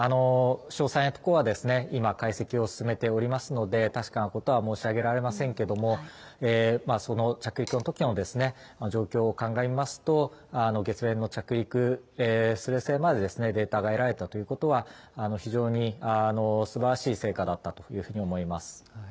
詳細なところは、今、解析を進めておりますので、確かなことは申し上げられませんけれども、その着陸のときの状況を鑑みますと、月面の着陸すれすれまでデータが得られたということは、非常にすばらしい成果だったというふうに思います。